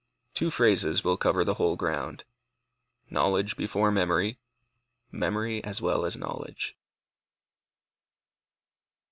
Two phrases will cover the whole ground. Knowledge before memory. Memory as well as knowledge.